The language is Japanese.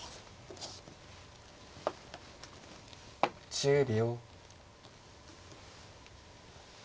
１０秒。